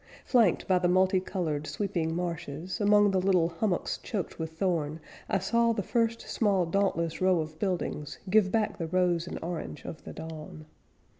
Flanked by the multi colored sweeping marshes, Among the little hummocks choked with thorn, I saw the first, small, dauntless row of buildings Give back the rose and orange of the dawn.